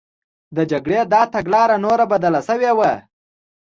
د جګړې دا تګلاره نوره بدله شوې وه